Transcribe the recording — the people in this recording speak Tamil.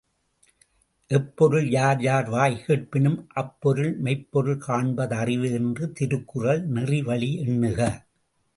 எப்பொருள் யார்யார்வாய்க் கேட்பினும் அப்பொருள் மெய்ப்பொருள் காண்ப தறிவு என்ற திருக்குறள் நெறிவழி எண்ணுக!